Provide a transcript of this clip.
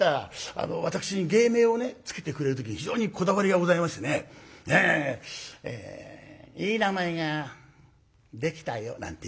あの私に芸名をね付けてくれる時に非常にこだわりがございましてね「いい名前ができたよ」なんて言うから。